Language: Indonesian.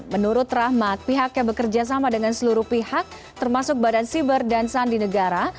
menurut rahmat pihaknya bekerja sama dengan seluruh pihak termasuk badan siber dan sandi negara